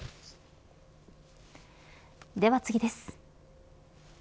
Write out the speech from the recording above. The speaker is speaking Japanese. では次です。